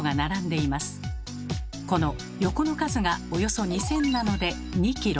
この横の数がおよそ２，０００なので２キロ